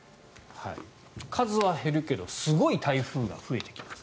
数は減るけどすごい台風が増えてきます。